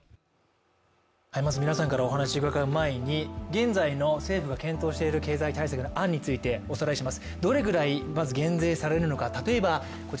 まず皆さんからお話伺う前に、現在の政府が検討している案についてお話しします。